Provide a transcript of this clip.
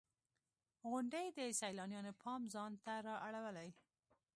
• غونډۍ د سیلانیانو پام ځان ته را اړوي.